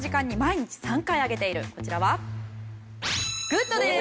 こちらはグッドです！